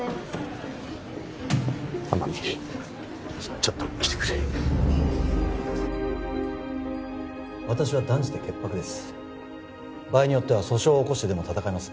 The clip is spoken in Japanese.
ちょっと来てくれ私は断じて潔白です場合によっては訴訟を起こしてでも戦います